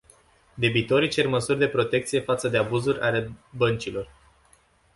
Debitorii cer măsuri de protecție față de abuzuri ale băncilor.